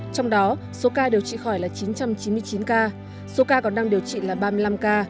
trong đó số ca điều trị khỏi là chín trăm chín mươi chín ca số ca còn đang điều trị là ba mươi năm ca